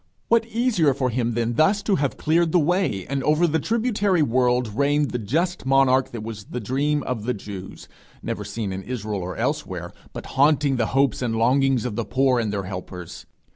What easier for him than thus to have cleared the way, and over the tributary world reigned the just monarch that was the dream of the Jews, never seen in Israel or elsewhere, but haunting the hopes and longings of the poor and their helpers!